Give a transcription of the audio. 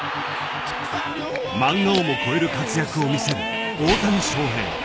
マンガをも超える活躍を見せる大谷翔平。